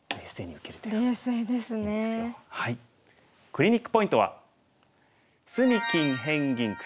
クリニックポイントは。